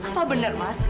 apa benar mas